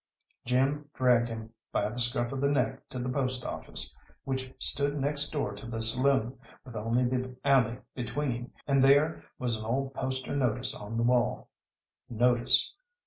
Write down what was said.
Jim dragged him by the scruff of the neck to the post office, which stood next door to the saloon, with only the alley between, and there was an old poster notice on the wall: "NOTICE.